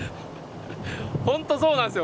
本当そうなんですよ。